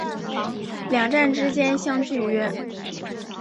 两站之间相距约。